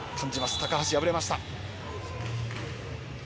高橋、敗れました。